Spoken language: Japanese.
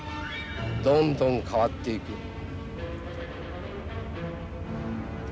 どんどん変わっていく。